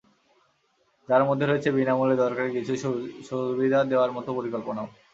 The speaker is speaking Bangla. যার মধ্যে রয়েছে বিনা মূল্যে দরকারি কিছু সুবিধা দেওয়ার মতো পরিকল্পনাও।